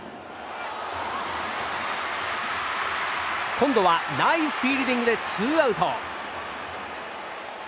今度はナイスフィールディングでツーアウト！